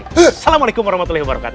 assalamualaikum warahmatullahi wabarakatuh